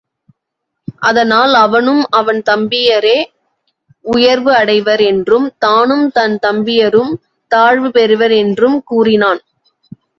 அதனால் அவனும் அவன் தம்பியரே உயர்வு அடைவர் என்றும், தானும் தன் தம்பியரும் தாழ்வு பெறுவர் என்றும் கூறினான்.